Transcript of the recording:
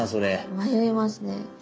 迷いますね。